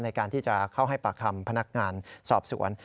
ในการที่จะเข้าให้ปากคำพนักงานสอบสวน